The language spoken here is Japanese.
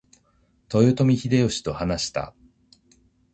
豊臣秀吉と話した。